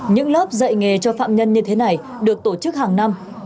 những lớp dạy nghề cho phạm nhân như thế này được tổ chức hàng năm